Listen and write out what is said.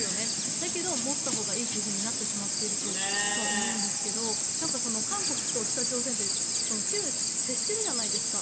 だけど持ったほうがいいとなってしまっていると思うんですけど韓国と北朝鮮って接してるじゃないですか。